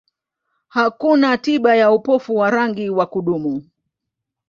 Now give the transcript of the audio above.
Hakuna tiba ya upofu wa rangi wa kudumu.